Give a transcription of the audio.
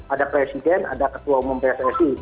ada presiden ada ketua umum pssi